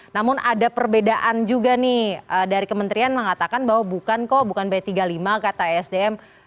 namun ada perbedaan juga nih dari kementerian mengatakan bahwa bukan kok bukan b tiga puluh lima kata esdm